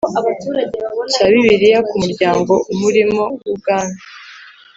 cya Bibiliya ku muryango Umurimo w Ubwami